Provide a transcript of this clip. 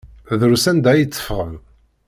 Drus anda ay tteffɣen.